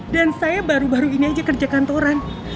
dan saya baru baru ini aja kerja kantoran